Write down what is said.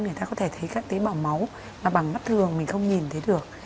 người ta có thể thấy các tế bào máu mà bằng mắt thường mình không nhìn thấy được